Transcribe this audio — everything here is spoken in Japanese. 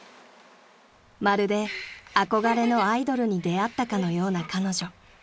［まるで憧れのアイドルに出会ったかのような彼女］